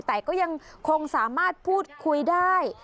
แต่ก็ยังคงสามารถพูดคุยได้